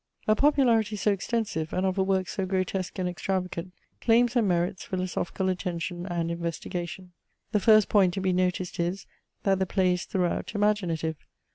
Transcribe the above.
A popularity so extensive, and of a work so grotesque and extravagant, claims and merits philosophical attention and investigation. The first point to be noticed is, that the play is throughout imaginative.